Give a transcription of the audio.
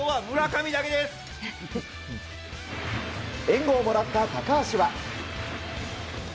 援護をもらった高橋は。